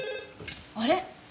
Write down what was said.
あれ？